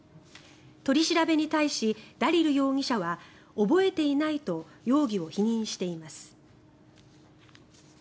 取り調べに対し、ダリル容疑者は覚えていないと容疑を否認しています。